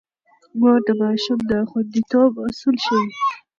مور د ماشوم د خونديتوب اصول ښيي.